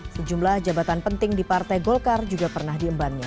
sejumlah jabatan penting di partai golkar juga pernah diembannya